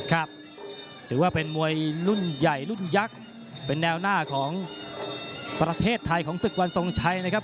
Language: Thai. ถือว่าเป็นมวยรุ่นใหญ่รุ่นยักษ์เป็นแนวหน้าของประเทศไทยของศึกวันทรงชัยนะครับ